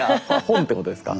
本ってことですか？